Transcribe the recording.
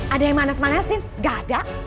ada yang manas manasin gak ada